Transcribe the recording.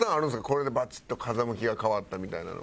これでバチッと風向きが変わったみたいなのは。